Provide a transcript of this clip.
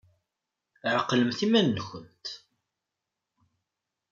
Ɛqlemt iman-nkent!